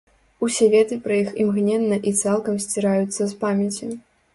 Усе веды пра іх імгненна і цалкам сціраюцца з памяці.